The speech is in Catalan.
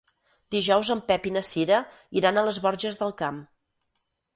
Dijous en Pep i na Cira iran a les Borges del Camp.